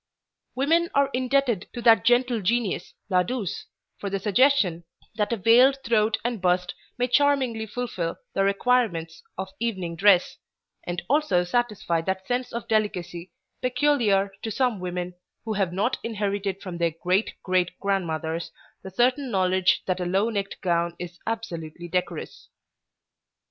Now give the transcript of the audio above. Women are indebted to that gentle genius, La Duse, for the suggestion that a veiled throat and bust may charmingly fulfil the requirements of evening dress, and also satisfy that sense of delicacy peculiar to some women who have not inherited from their great great grandmothers the certain knowledge that a low necked gown is absolutely decorous.